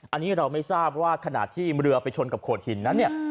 อันนี้เราไม่ทราบว่าขณะที่เรือไปชนกับโขดหินนั้นเนี่ย